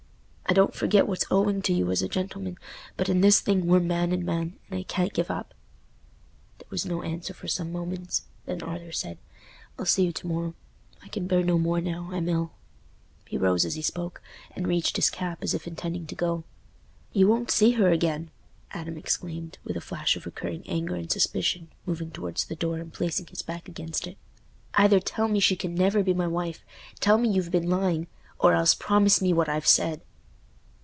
I don't forget what's owing to you as a gentleman, but in this thing we're man and man, and I can't give up." There was no answer for some moments. Then Arthur said, "I'll see you to morrow. I can bear no more now; I'm ill." He rose as he spoke, and reached his cap, as if intending to go. "You won't see her again!" Adam exclaimed, with a flash of recurring anger and suspicion, moving towards the door and placing his back against it. "Either tell me she can never be my wife—tell me you've been lying—or else promise me what I've said."